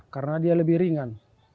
karena dia lebih ringan